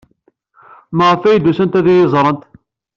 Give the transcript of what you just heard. Maɣef ay d-usant ad iyi-ẓrent?